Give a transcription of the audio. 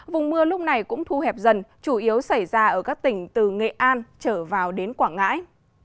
vùng mưa lúc này cũng thu hẹp dần chủ yếu xảy ra ở các tỉnh từ nghệ an trở vào đến quảng ngãi